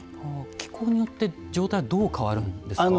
気候によって状態はどう変わるんですか？